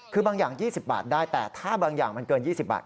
คือบางอย่าง๒๐บาทได้แต่ถ้าบางอย่างมันเกิน๒๐บาท